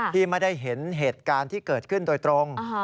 ที่ไม่ได้เห็นเหตุการณ์ที่เกิดขึ้นโดยตรง